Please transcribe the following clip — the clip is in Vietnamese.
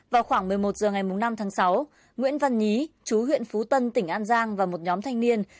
vào khoảng một mươi một h ngày năm tháng sáu nguyễn văn nhí chú huyện phú tân tỉnh an giang và một nhóm thanh niên